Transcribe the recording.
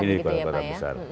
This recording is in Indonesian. ini kota kota besar